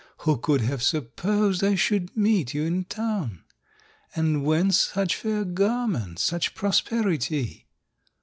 Who could have supposed I should meet you in Town? And whence such fair garments, such prosperi ty?"